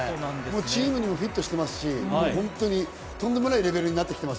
チームにもフィットしてますし、とんでもないレベルになってきてます。